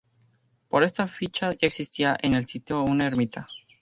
Por esta ficha ya existía en el sitio una ermita.